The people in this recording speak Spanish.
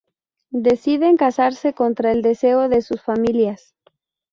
Deciden casarse contra el deseo de sus familias.